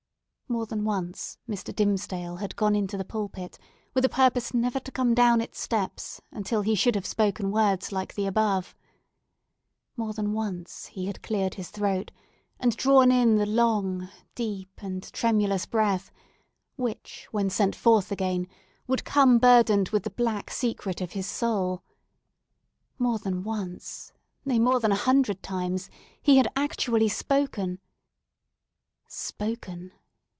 More than once, Mr. Dimmesdale had gone into the pulpit, with a purpose never to come down its steps until he should have spoken words like the above. More than once he had cleared his throat, and drawn in the long, deep, and tremulous breath, which, when sent forth again, would come burdened with the black secret of his soul. More than once—nay, more than a hundred times—he had actually spoken! Spoken!